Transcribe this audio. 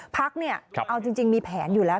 พักเนี่ยเอาจริงมีแผนอยู่แล้ว